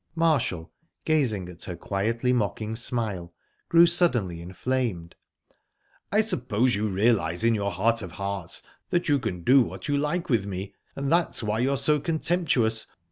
Marshall, gazing at her quietly mocking smile, grew suddenly inflamed. "I suppose you realise in your heart of hearts that you can do what you like with me, and that's why you are so contemptuous.